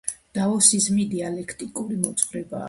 დაოსიზმი დიალექტიკური მოძღვრებაა.